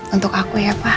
untuk aku ya pak